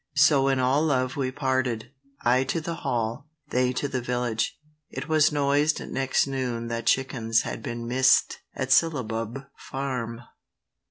So in all love we parted; I to the Hall, They to the village. It was noised next noon That chickens had been miss'd at Syllabub Farm.